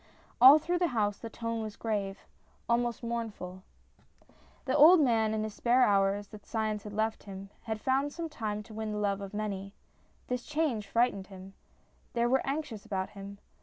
All through the house the tone was grave, almost mournful. R 258 STORIES IN GREY The old man in the spare hours that science had left him had found time to win the love of many. This change frightened them. They were anxious about him.